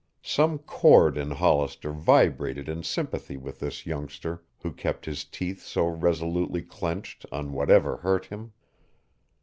Some chord in Hollister vibrated in sympathy with this youngster who kept his teeth so resolutely clenched on whatever hurt him.